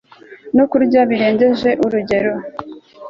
no kurya birengeje urugero